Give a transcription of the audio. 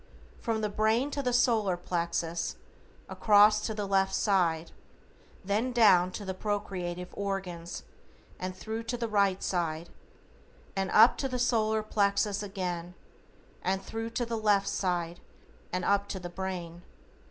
From the brain to the solar plexus, across to the left side, then down to the procreative organs and thru to the right side, and up to the solar plexus again and thru to the left side and up to the brain.